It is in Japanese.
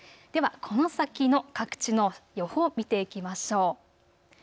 ではこの先の各地の予報を見ていきましょう。